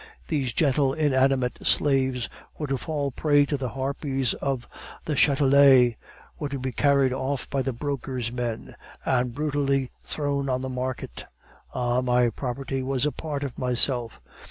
These gentle inanimate slaves were to fall prey to the harpies of the Chatelet, were to be carried off by the broker's men, and brutally thrown on the market. Ah, my property was a part of myself!